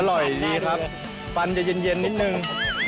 อร่อยดีครับฟันจะเย็นนิดนึง